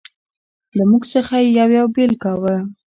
له موږ څخه یې یو یو بېل کاوه.